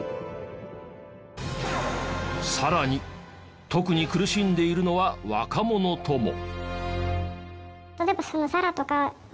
さらに特に苦しんでいるのは若者とも。